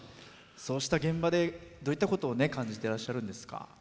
そうした現場でどういったことを感じていらっしゃるんですか？